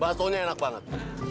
basuhnya enak banget